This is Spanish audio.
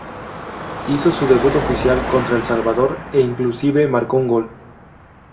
Hizo su debut oficial contra El Salvador e inclusive marco un gol.